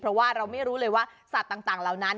เพราะว่าเราไม่รู้เลยว่าสัตว์ต่างเหล่านั้น